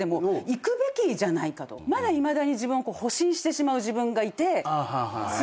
まだいまだに保身してしまう自分がいて。